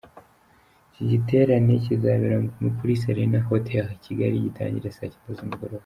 Iki giterane kizabera kuri Serena Hotel i Kigali, gitangire saa cyenda z’umugoroba.